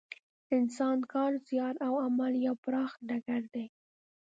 انسان کار، زیار او عمل یو پراخ ډګر دی.